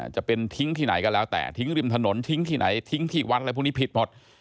จะเป็นทิ้งที่ไหนก็แล้วแต่ทิ้งริมถนนทิ้งที่ไหนทิ้งที่วัดอะไรพวกนี้ผิดหมด